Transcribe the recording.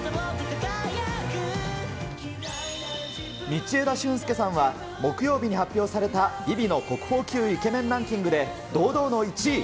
道枝駿佑さんは、木曜日に発表された、ＶｉＶｉの国宝級イケメンランキングで、堂々の１位。